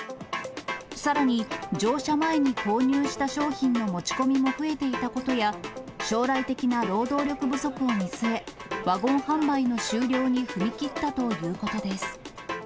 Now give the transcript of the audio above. さらに、乗車前に購入した商品の持ち込みも増えていたことや、将来的な労働力不足を見据え、ワゴン販売の終了に踏み切ったということです。